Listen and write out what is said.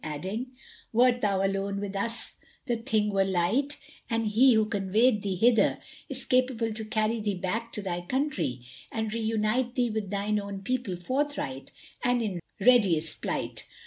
adding, 'Wert thou alone with us the thing were light; but He who conveyed thee hither is capable to carry thee back to thy country and reunite thee with thine own people forthright and in readiest plight.